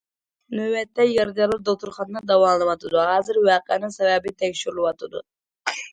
نۆۋەتتە، يارىدارلار دوختۇرخانىدا داۋالىنىۋاتىدۇ، ھازىر ۋەقەنىڭ سەۋەبى تەكشۈرۈلۈۋاتىدۇ.